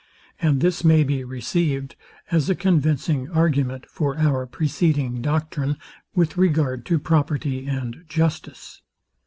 And this may be received as a convincing argument for our preceding doctrine with regard to property and justice.